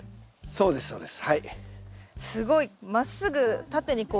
そうですそうです。